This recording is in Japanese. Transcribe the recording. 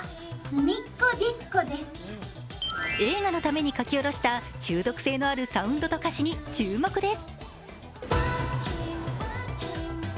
映画のために書き下ろした中毒性のあるサウンドと歌詞に注目です。